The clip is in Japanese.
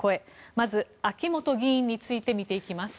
まずは秋本議員について見ていきます。